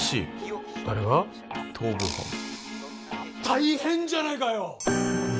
大変じゃないかよ！